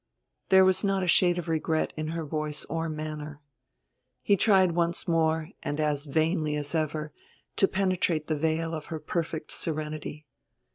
There was not a shade of regret in her voice or manner. He tried once more, and as vainly as ever, to penetrate the veil of her perfect serenity.